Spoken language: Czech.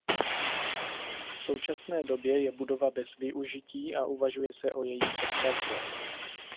V současné době je budova bez využití a uvažuje se o její přestavbě.